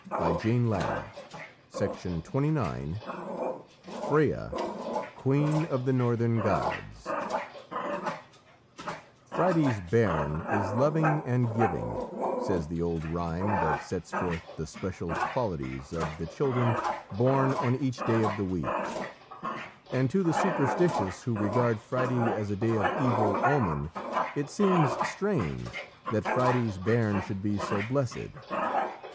Fiona Macleod (The Winged Destiny). FREYA, QUEEN OF THE NORTHERN GODS "Friday's bairn is loving and giving," says the old rhyme that sets forth the special qualities of the children born on each day of the week, and to the superstitious who regard Friday as a day of evil omen, it seems strange that Friday's bairn should be so blessed.